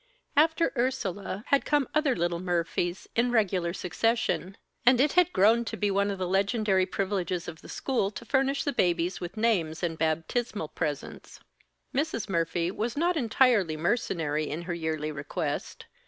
After Ursula, had come other little Murphys in regular succession; and it had grown to be one of the legendary privileges of the school to furnish the babies with names and baptismal presents. Mrs. Murphy was not entirely mercenary in her yearly request.